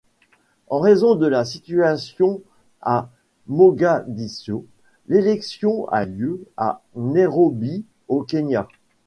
En raison de la situation à Mogadiscio, l'élection eu lieu à Nairobi au Kenya.